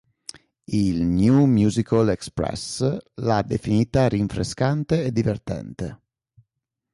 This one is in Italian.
Il "New Musical Express" l'ha definita rinfrescante e divertente.